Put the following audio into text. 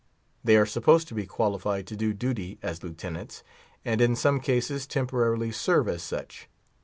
They are supposed to be qualified to do duty as lieutenants, and in some cases temporarily serve as such.